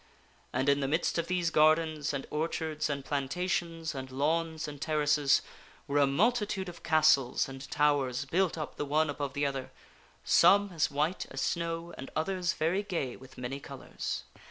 And in the midst of these gardens and orchards and plantations and lawns and ter races, were a multitude of castles and towers built up the one above the other some as white as snow and others very gay with many colors.